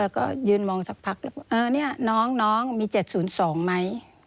ก็ยืนมองสักพักน้องมี๗๐๒ไหม